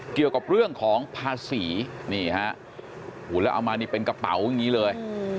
เกี่ยวกับเรื่องของภาษีนี่ฮะแล้วเอามานี่เป็นกระเป๋าอย่างนี้เลย